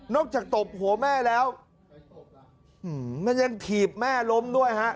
จากตบหัวแม่แล้วมันยังถีบแม่ล้มด้วยฮะ